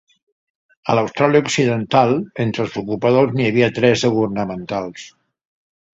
A l'Austràlia Occidental, entre els ocupadors n'hi havia tres de governamentals.